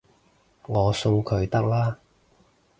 我送佢得喇